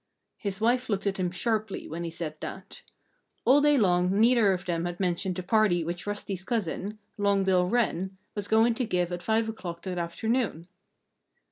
His wife looked at him sharply when he said that. All day long neither of them had mentioned the party which Rusty's cousin, Long Bill Wren, was going to give at five o'clock that afternoon.